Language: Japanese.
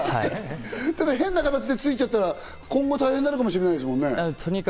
変な形でついちゃったら今後、大変になるかもしれないですもんね。